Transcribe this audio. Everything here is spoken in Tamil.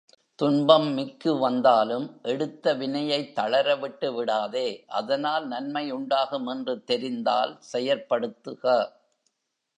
துன்பம் மிக்கு வந்தாலும் எடுத்த வினையைத் தளர விட்டுவிடாதே அதனால் நன்மை உண்டாகும் என்று தெரிந்தால் செயற்படுத்துக.